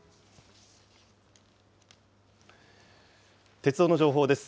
鉄道の情報です。